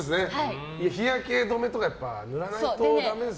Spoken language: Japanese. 日焼け止めとか塗らないとダメですよね。